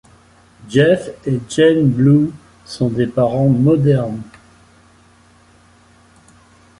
Jeff et Jane Blue sont des parents modernes.